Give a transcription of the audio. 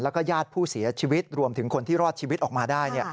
แล้วก็ญาติผู้เสียชีวิตรวมถึงคนที่รอดชีวิตออกมาได้